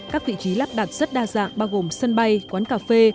các vị trí lắp đặt rất đa dạng bao gồm sân bay quán cà phê